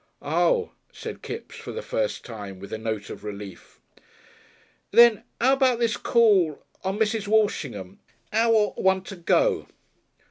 "Ah!" said Kipps, for the first time, with a note of relief. "Then, 'ow about this call on Mrs. Walshingham, I mean. 'Ow ought one to go?"